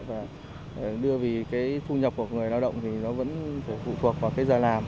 và đưa vì cái thu nhập của người lao động thì nó vẫn phụ thuộc vào cái giờ làm